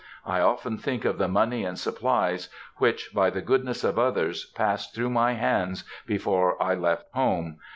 I often think of the money and supplies which, by the goodness of others, passed through my hands before I left home.